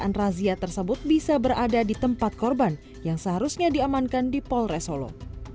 yang razia tersebut bisa berada di tempat korban yang seharusnya diamankan di polres solo